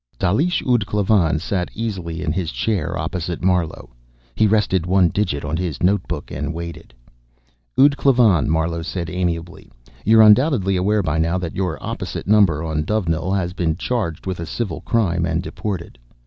Dalish ud Klavan sat easily in his chair opposite Marlowe. He rested one digit on his notebook and waited. "Ud Klavan," Marlowe said amiably, "you're undoubtedly aware by now that your opposite number on Dovenil has been charged with a civil crime and deported."